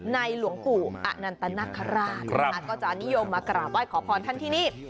ในหลวงปู่อันนันตนักราธิก็จะนิยมมากราบว่ายขอพรท่านที่นี่